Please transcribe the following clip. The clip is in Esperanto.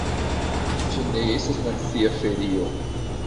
Ĝi ne estas nacia ferio.